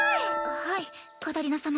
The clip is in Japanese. はいカタリナ様。